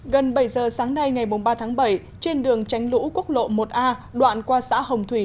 gần bảy giờ sáng nay ngày ba tháng bảy trên đường tránh lũ quốc lộ một a đoạn qua xã hồng thủy